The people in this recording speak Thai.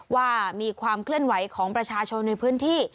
ว่ามีความเคลื่อนไหวของประชาชนในพื้นที่